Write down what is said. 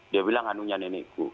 dia bilang anunya nenekku